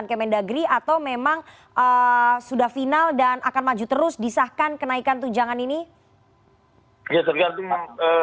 ini mengibarlah sekejap ya